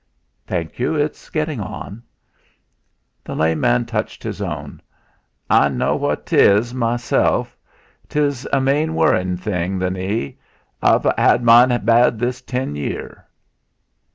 "Thank you, it's getting on." The lame man touched his own: "I know what 'tes, meself; 'tes a main worritin' thing, the knee. I've a '.d mine bad this ten year."